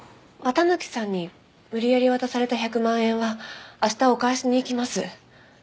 綿貫さんに無理やり渡された１００万円は明日お返しに行きます。